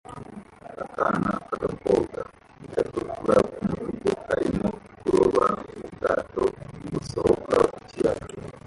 Akana k'agakobwa gatukura k'umutuku karimo kuroba mu bwato busohoka ku kiyaga